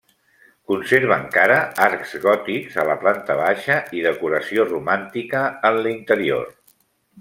Conserva encara arcs gòtics a la planta baixa i decoració romàntica en l'interior.